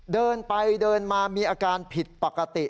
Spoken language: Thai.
เดินไปเดินมามีอาการผิดปกติ